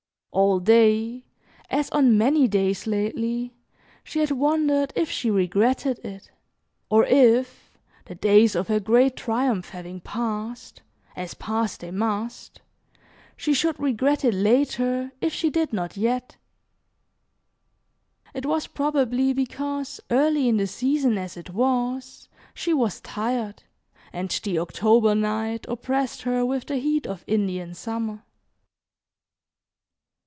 All day, as on many days lately, she had wondered if she regretted it, or if, the days of her great triumph having passed, as pass they must, she should regret it later if she did not yet. It was probably because, early in the season as it was she was tired, and the October night oppressed her with the heat of Indian Summer.